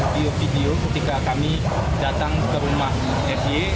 video video ketika kami datang ke rumah f i e